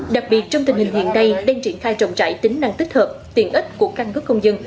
đặc biệt trong tình hình hiện nay đang triển khai trọng trải tính năng tích hợp tiện ích của căn cứ công dân